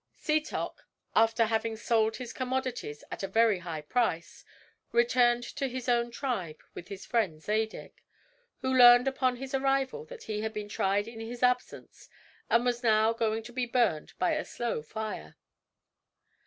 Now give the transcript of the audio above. Setoc, after having sold his commodities at a very high price, returned to his own tribe with his friend Zadig; who learned upon his arrival that he had been tried in his absence and was now going to be burned by a slow fire.